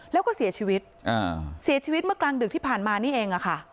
แล้วก็เสียชีวิตเสียชีวิตเมื่อกลางดึกที่ผ่านมานี่เองอะค่ะ